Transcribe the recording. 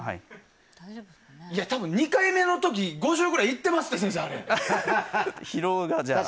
多分２回目の時５０ぐらいいっていますって、先生。